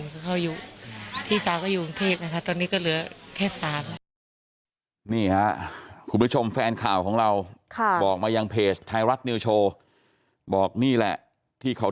จะอยู่ยังไงทุกคนเขาไปออกมาแล้วถ้าอยู่คนเดียว